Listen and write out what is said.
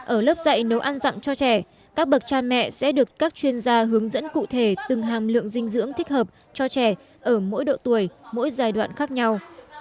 ở lớp dạy nấu ăn dặm cho trẻ các bậc cha mẹ sẽ được các chuyên gia hướng dẫn cụ thể từng hàm lượng dinh dưỡng thích hợp cho trẻ ở mỗi độ tuổi mỗi giai đoạn khác nhau